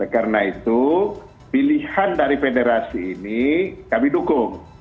karena itu pilihan dari federasi ini kami dukung